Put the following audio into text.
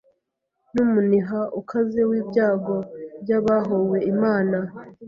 Numuniha ukaze wibyago byAbahowe Imana